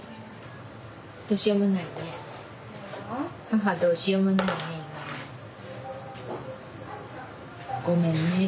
母どうしようもないねえ